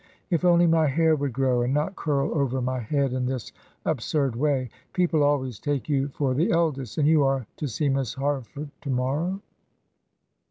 If only my hair would grow and not curl over my head in this absurd way. People always take you for the eldest." "And you are to see Miss Harford to morrow?"